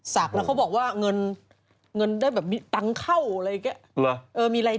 ศักดิ์แล้วเขาบอกว่าเงินเงินได้แบบมีตังคเข้าอะไรอ่ะ